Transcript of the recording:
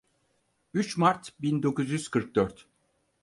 Üç Mart bin dokuz yüz kırk dört.